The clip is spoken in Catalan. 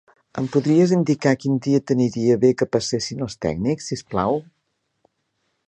Em podries indicar quin dia t'aniria bé que passessin els tècnics, si us plau?